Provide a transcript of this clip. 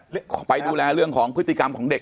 ไปดูแลเรื่องของพฤติกรรมของเด็ก